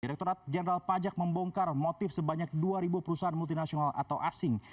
direkturat jenderal pajak membongkar motif sebanyak dua perusahaan multinasional atau asing